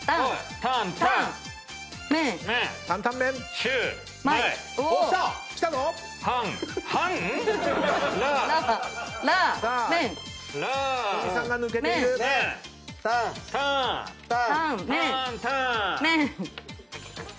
タンタン。